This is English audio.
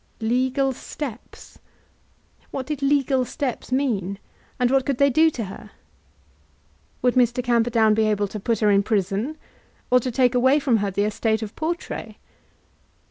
Legal steps! What did legal steps mean, and what could they do to her? Would Mr. Camperdown be able to put her in prison, or to take away from her the estate of Portray?